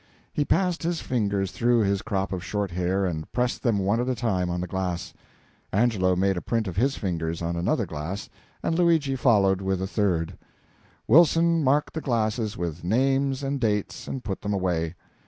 He passed his fingers through his crop of short hair, and pressed them one at a time on the glass. Angelo made a print of his fingers on another glass, and Luigi followed with the third. Wilson marked the glasses with names and date, and put them away.